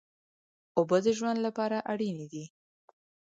اوبه د ژوند لپاره اړینې دي.